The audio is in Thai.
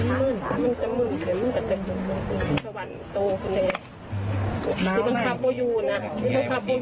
มันจะมึงมันจะกลับไปสวรรค์ตัวของเนี่ย